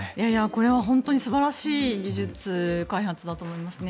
これは本当に素晴らしい技術開発だと思いますね。